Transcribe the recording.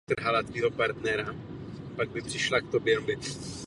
Narodil se v chudé rodině v někdejší hornické kolonii Kamenec ve Slezské Ostravě.